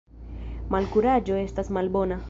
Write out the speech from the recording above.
Malkuraĝo estas malnobla.